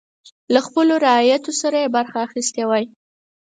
له خپلو رعیتو سره یې برخه اخیستې وای.